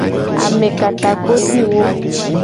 Amekatakpotiwo.